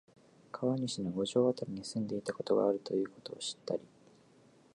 川西の五条あたりに住んでいたことがあるということを知ったり、